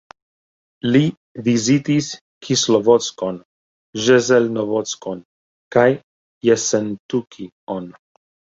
Li vizitis Kislovodskon, Ĵeleznovodskon kaj Jessentuki-on.